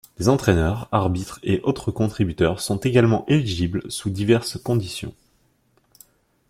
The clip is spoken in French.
Les entraîneurs, arbitres et autres contributeurs sont également éligibles sous diverses conditions.